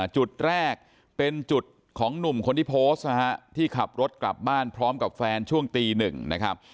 จุดแรกเป็นจุดของหนุ่มคนที่โพสต์นะฮะที่ขับรถกลับบ้านพร้อมกับแฟนช่วงตีหนึ่งนะครับ